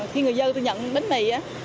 khi người dân nhận bánh mì